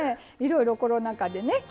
いろいろコロナ禍でね